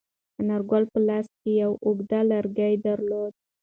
انارګل په لاس کې یو اوږد لرګی درلود.